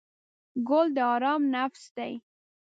ګل د آرام نفس دی.